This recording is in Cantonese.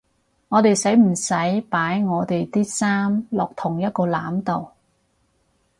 我哋使唔使擺我地啲衫落同一個籃度？